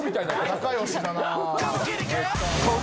仲良しだなあ。